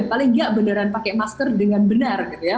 paling nggak beneran pakai masker dengan benar gitu ya